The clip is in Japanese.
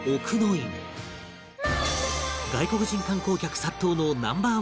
外国人観光客殺到のナンバー